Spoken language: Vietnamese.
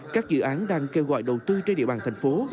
các dự án đang kêu gọi đầu tư trên địa bàn thành phố